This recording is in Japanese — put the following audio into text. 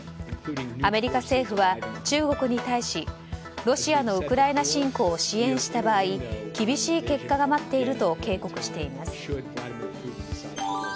アメリカ政府は中国に対しロシアのウクライナ侵攻を支援した場合、厳しい結果が待っていると警告しています。